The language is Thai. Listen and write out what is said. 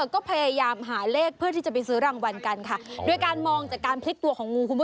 คนเค้าไม่เคยเห็นเค้าก็ถ่ายภาพแชร์กันไงคือ